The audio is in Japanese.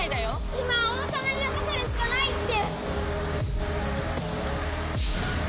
今は王様に任せるしかないって！